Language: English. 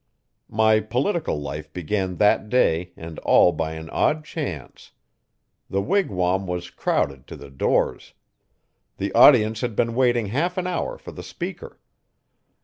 My political life began that day and all by an odd chance. The wigwam was crowded to the doors. The audience bad been waiting half an hour for the speaker.